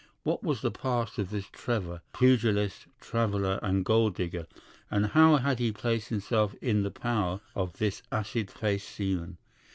What was the past of this Trevor, pugilist, traveler, and gold digger, and how had he placed himself in the power of this acid faced seaman?